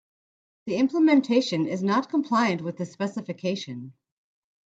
The implementation is not compliant with the specification.